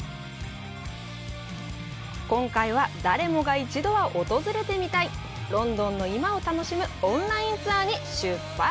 今回は、誰もが一度は訪れてみたいロンドンの今を楽しむオンラインツアーに出発！